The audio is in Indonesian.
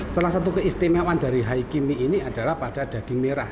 salah satu keistimewaan dari haikimi ini adalah pada daging merah